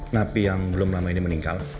napi yang belum lama ini meninggal